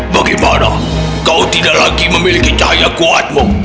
bagaimana kau tidak lagi memiliki cahaya kuatmu